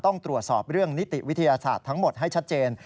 ต้องตรวจสอบเรื่องนิติวิทยาศาสตร์ทั้งหมดให้ชัดเจน